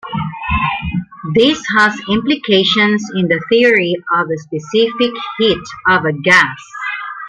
This has implications in the theory of the specific heat of a gas.